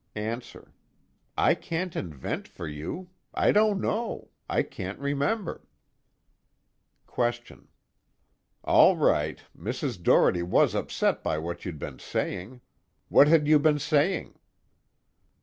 ANSWER: I can't invent for you. I don't know. I can't remember. QUESTION: All right. Mrs. Doherty was upset by what you'd been saying. What had you been saying?